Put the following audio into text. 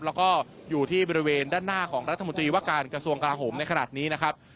แล้วก็อยู่ที่บริเวณด้านหน้าของรัฐมนตรีว่าการกระทรวงกราโหมในขณะนี้นะครับ